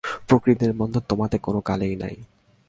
প্রকৃতির বন্ধন তোমাতে কোন কালেই নাই।